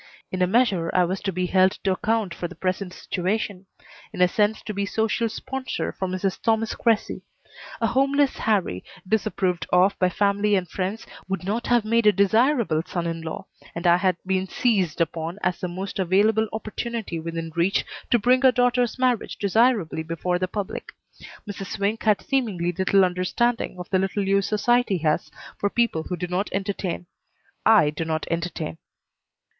In a measure I was to be held to account for the present situation; in a sense to be social sponsor for Mrs. Thomas Cressy. A homeless Harrie, disapproved of by family and friends, would not have made a desirable son in law, and I had been seized upon as the most available opportunity within reach to bring her daughter's marriage desirably before the public. Mrs. Swink had seemingly little understanding of the little use society has for people who do not entertain. I do not entertain.